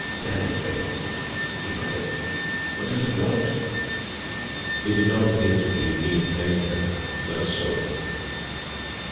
'Damn the thing!' he muttered. 'What does it want?' It did not appear to be in need of anything but a soul.